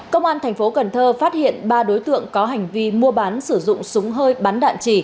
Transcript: công an tp cn phát hiện ba đối tượng có hành vi mua bán sử dụng súng hơi bắn đạn